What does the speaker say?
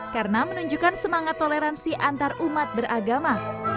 karena menunjukkan semangat toleransi antar umat beragama